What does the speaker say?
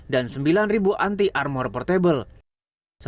dan bantuan keamanan